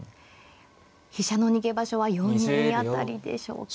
飛車の逃げ場所は４二辺りでしょうか。